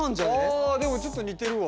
ああでもちょっと似てるわ。